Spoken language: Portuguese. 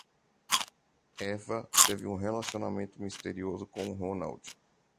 Eva teve um relacionamento misterioso com Ronald.